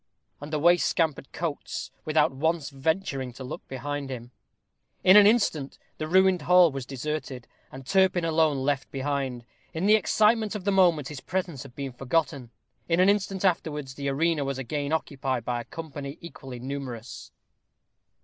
And away scampered Coates, without once venturing to look behind him. In an instant the ruined hall was deserted, and Turpin alone left behind. In the excitement of the moment his presence had been forgotten. In an instant afterwards the arena was again occupied by a company equally numerous.